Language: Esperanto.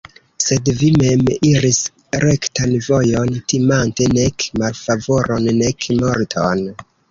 Sed vi mem iris rektan vojon, timante nek malfavoron, nek morton.